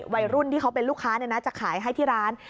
วัยรุ่นที่เขาเป็นลูกค้าจะขายให้ที่ร้าน